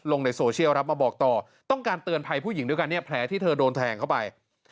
ลงในโซเชียลครับมาบอกต่อต้องการเตือนภัยผู้หญิงด้วยกันเนี่ยแผลที่เธอโดนแทงเข้าไป